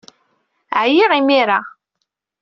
Ɛyiɣ imir-a.